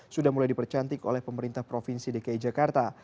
sudah mulai dipercantik oleh pemerintah provinsi dki jakarta